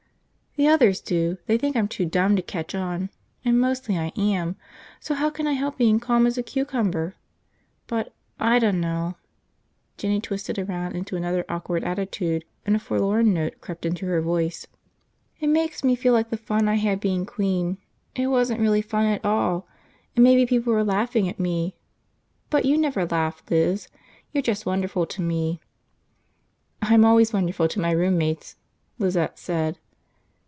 "The others do. They think I'm too dumb to catch on, and mostly I am, so how can I help being calm as a cucumber? But I dunno. ..." Jinny twisted around into another awkward attitude and a forlorn note crept into her voice. "It makes me feel like the fun I had being queen, it wasn't really fun at all and maybe people were laughing at me. But you never laugh, Liz. You're just wonderful to me." "I'm always wonderful to my roommates," Lizette said.